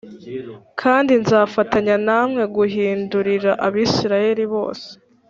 kandi nzafatanya nawe kuguhindūrira Abisirayeli bose.